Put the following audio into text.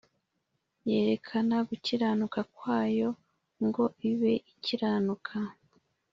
yerekane gukiranuka kwayo ngo ibe Ikiranuka